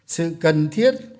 sự cần thiết